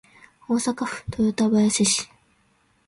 大阪府富田林市